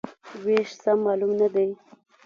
وېش سم معلوم نه دی.